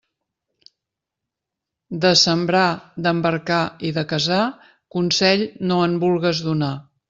De sembrar, d'embarcar i de casar, consell no en vulgues donar.